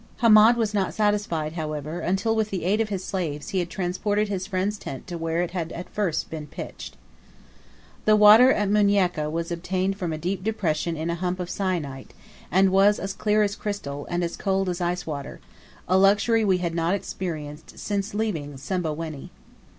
Hamed was not satisfied, however, until, with the aid of his slaves, he had transported his friend's tent to where it had at first been pitched. The water at Munieka was obtained from a deep depression in a hump of syenite, and was as clear as crystal, and' cold as ice water a luxury we had not experienced since leaving Simbamwenni.